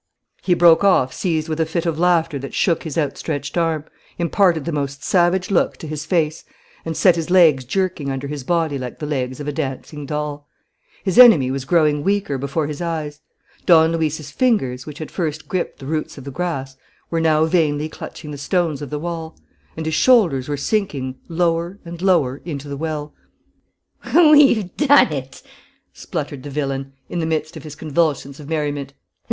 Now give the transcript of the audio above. He broke off, seized with a fit of laughter that shook his outstretched arm, imparted the most savage look to his face, and set his legs jerking under his body like the legs of a dancing doll. His enemy was growing weaker before his eyes. Don Luis's fingers, which had first gripped the roots of the grass, were now vainly clutching the stones of the wall. And his shoulders were sinking lower and lower into the well. "We've done it!" spluttered the villain, in the midst of his convulsions of merriment.